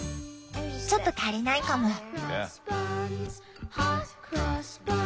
ちょっと足りないかも。